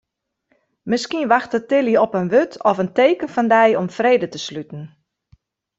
Miskien wachtet Tilly op in wurd of teken fan dy om frede te sluten.